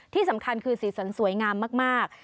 ที่สำคัญคือสีสันสวยงามมาก